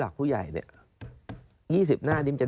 แล้วก็ตามได้คำตอบแล้ว